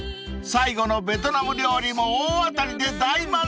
［最後のベトナム料理も大当たりで大満足でした］